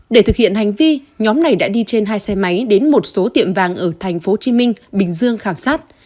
để thực hiện hành vi nhóm này đã đi trên hai xe máy đến một số tiệm vàng ở tp hcm bình dương khảo sát